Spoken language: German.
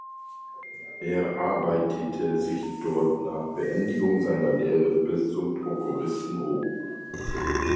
Er arbeitete sich dort nach Beendigung seiner Lehre bis zum Prokuristen hoch.